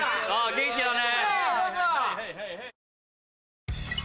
元気だね。